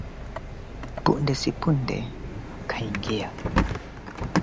ilisababisha ukweli kwamba sasa wawakilishi wa watu